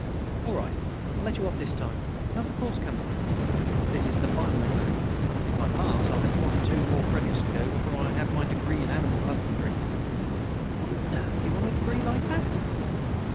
"All right, I'll let you off this time. How's the course coming?" "This is the final exam. If I pass, I'll have only forty two more credits to go before I have my degree in Animal Husbandry." "What on earth do you want with a degree like that?"